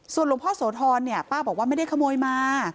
หลวงพ่อโสธรเนี่ยป้าบอกว่าไม่ได้ขโมยมา